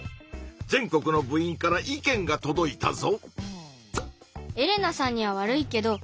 全国の部員から意見がとどいたぞ！